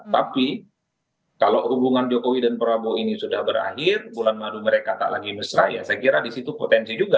tapi kalau hubungan jokowi dan prabowo ini sudah berakhir bulan madu mereka tak lagi mesra ya saya kira disitu potensi juga